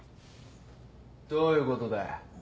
どういうことだよ？